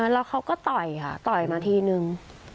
แล้วเขาก็ต่อยค่ะต่อยมาทีนึง